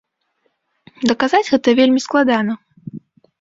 Даказаць гэта вельмі складана.